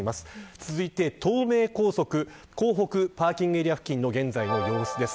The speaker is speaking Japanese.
続いて東名高速港北パーキングエリア付近の現在の様子です。